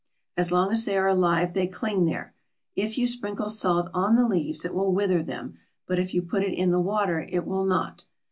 As long as they are alive they cling there. If you sprinkle salt on the leaves it will wither them, but if you put it in the water it will not.